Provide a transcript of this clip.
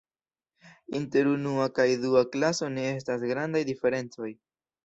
Inter unua kaj dua klaso ne estas grandaj diferencoj.